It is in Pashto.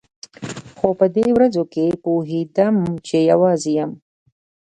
خو په دې ورځو کښې پوهېدم چې يوازې يم.